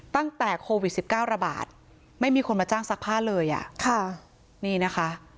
ตั้งแต่โควิด๑๙บาทไม่มีคนมาจ้างซักผ้าเลยอ่ะ